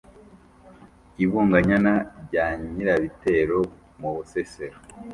i bunganyana rya nyirabitero mu busesero